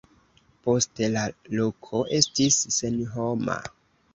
Poste la loko estis senhoma.